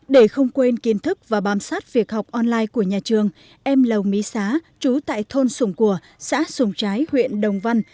để không quên kiến thức và bám sát việc học online của nhà trường em lầu mỹ xá trú tại thôn sùng của xã sùng trái huyện đồng văn